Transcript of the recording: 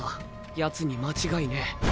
ヤツに間違いねぇ。